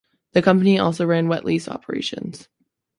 The company also ran wet-lease operations.